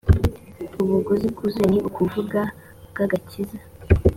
Ubuguzi bwuzuye ni ukuvuga bw'agakiza,